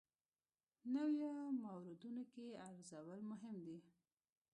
نویو موردونو کې ارزول مهم دي.